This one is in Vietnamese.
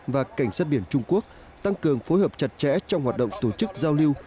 và cảnh sát biển trung quốc tăng cường phối hợp chặt chẽ trong hoạt động tổ chức giao lưu